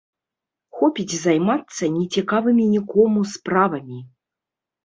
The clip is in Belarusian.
Хопіць займацца нецікавымі нікому справамі!